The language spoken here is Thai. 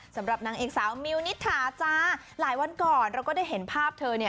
สำหรับหักนางเอกสาวมิวณิธาหลายวันก่อนเราก็ได้เห็นภาพเธอ